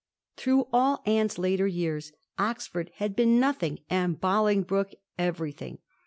Through all Anne^s. later years Oxford had been nothing and Bolingbroke everything.